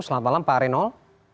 selamat malam pak renol